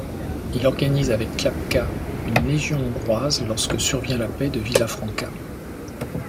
Il organise avec Klapka une légion hongroise lorsque survient la paix de Villafranca.